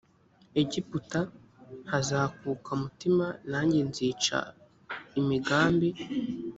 egiputa hazakuka umutima nanjye nzica imigambi